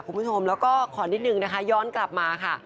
คุณผู้ชมแล้วก็ขอนิดนึงนะคะย้อนกลับมาค่ะ